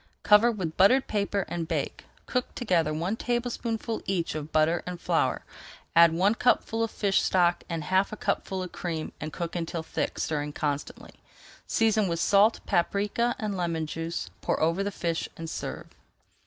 Cover with buttered paper and bake. Cook together one tablespoonful each of butter and flour, add one cupful of fish stock and half a cupful of cream, and cook until thick, stirring constantly. Season with salt, paprika, and lemon juice. Pour over the fish and serve.